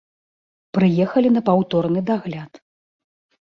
Прыехалі на паўторны дагляд.